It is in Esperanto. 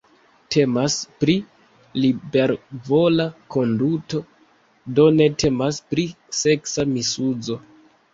Temas pri libervola konduto, do ne temas pri seksa misuzo.